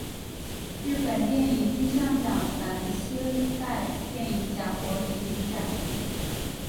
日本电影金像奖蓝丝带电影奖柏林影展